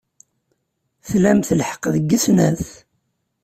Tlamt lḥeqq deg snat.